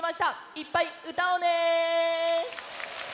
いっぱいうたおうね！